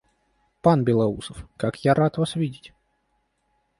Пан Белоусов, как я рад вас видеть!